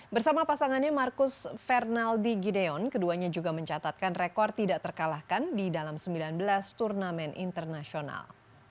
bersama pasangannya marcus fernaldi gideon keduanya juga mencatatkan rekor tidak terkalahkan di dalam sembilan belas turnamen internasional